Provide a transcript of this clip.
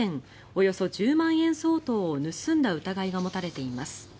およそ１０万円相当を盗んだ疑いが持たれています。